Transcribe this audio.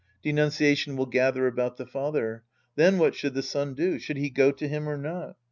Denunciation will gather about the father. Then what should the son do ? Should he go to him or not